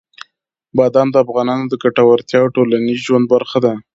بادام د افغانانو د ګټورتیا او ټولنیز ژوند برخه ده.